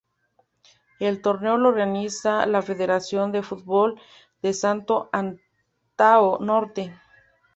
El torneo lo organiza la federación de fútbol de Santo Antão Norte.